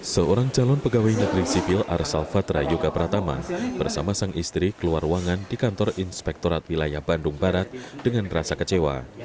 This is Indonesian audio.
seorang calon pegawai negeri sipil arsal fatra yoga pratama bersama sang istri keluar ruangan di kantor inspektorat wilayah bandung barat dengan rasa kecewa